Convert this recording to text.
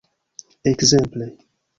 Ekzemple!